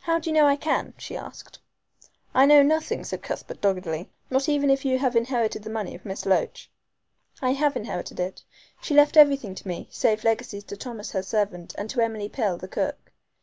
"How do you know I can?" she asked. "I know nothing," said Cuthbert doggedly, "not even if you have inherited the money of Miss Loach." "I have inherited it. She left everything to me, save legacies to Thomas her servant, and to Emily Pill, the cook.